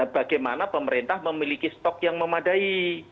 bagaimana pemerintah memiliki stok yang memadai